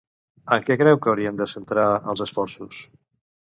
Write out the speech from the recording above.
En què creu que haurien de centrar els esforços?